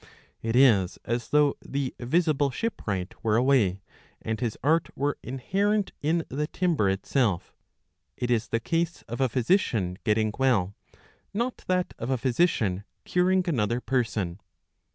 It is as though the visible shipwright were away, and his art were inherent in the timber itself. It is the case of a physician getting well, not that of a physician curing another person.